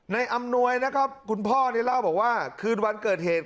อำนวยนะครับคุณพ่อเนี่ยเล่าบอกว่าคืนวันเกิดเหตุ